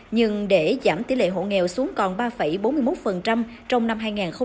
nhưng để giảm tỷ lệ hộ nghèo xuống còn ba bốn mươi một trong năm hai nghìn hai mươi